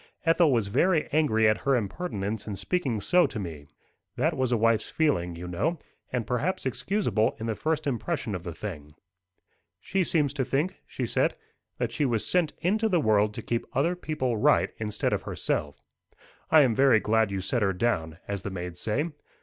Ethel was very angry at her impertinence in speaking so to me. That was a wife's feeling, you know, and perhaps excusable in the first impression of the thing. "She seems to think," she said, "that she was sent into the world to keep other people right instead of herself. I am very glad you set her down, as the maids say."